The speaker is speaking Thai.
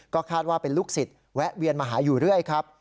ก็คาดว่าเป็นลูกศิษย์แวะเวียนมาหาอยู่เรื่อยครับ